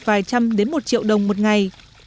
vài trăm đến một triệu đồng một ngày